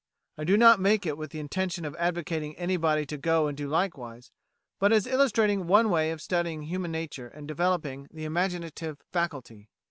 I do not make it with the intention of advocating anybody to go and do likewise, but as illustrating one way of studying human nature and developing the imaginative faculty.